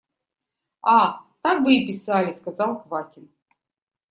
– А, так бы и писали! – сказал Квакин.